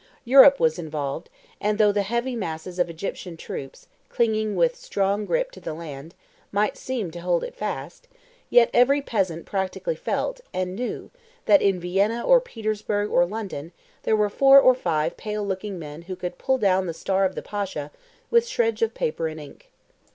Europe was involved, and though the heavy masses of Egyptian troops, clinging with strong grip to the land, might seem to hold it fast, yet every peasant practically felt, and knew, that in Vienna or Petersburg or London there were four or five pale looking men who could pull down the star of the Pasha with shreds of paper and ink.